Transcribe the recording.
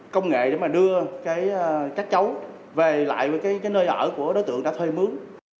công nghệ để đưa các cháu về lại nơi ở của đối tượng đã thuê mướn